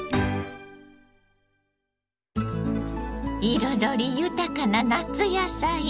彩り豊かな夏野菜。